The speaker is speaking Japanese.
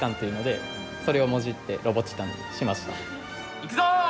いくぞ！